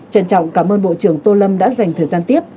trân trọng cảm ơn bộ trưởng tô lâm đã dành thời gian tiếp